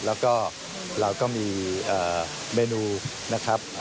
แล้วก็เราก็มีเมนูนะครับ